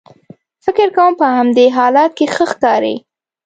فکر کوم په همدې حالت کې ښه ښکارې.